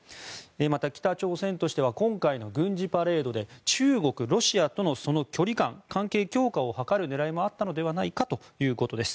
また、北朝鮮としては今回の軍事パレードで中国、ロシアとの距離感関係強化を図る狙いもあったのではないかということです。